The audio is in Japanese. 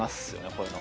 こういうの。